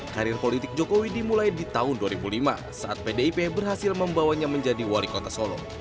karir politik jokowi dimulai di tahun dua ribu lima saat pdip berhasil membawanya menjadi wali kota solo